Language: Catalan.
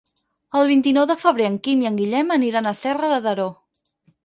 El vint-i-nou de febrer en Quim i en Guillem aniran a Serra de Daró.